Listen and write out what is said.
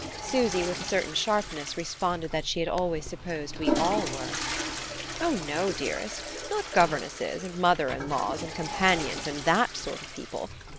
Susy, with a certain sharpness, responded that she had always supposed we all were. "Oh, no, dearest: not governesses and mothers in law and companions, and that sort of people.